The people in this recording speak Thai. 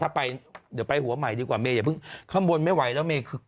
ถ้าไปเดี๋ยวไปหัวใหม่ดีกว่าเมยอย่าเพิ่งข้างบนไม่ไหวแล้วเมย์คือ